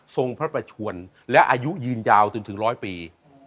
พระประชวนและอายุยืนยาวจนถึงร้อยปี